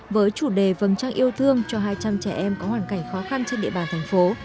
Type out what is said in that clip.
với chủ đề vâng trang yêu thương cho hai trăm linh trẻ em có hoàn cảnh khó khăn trên địa bàn thành phố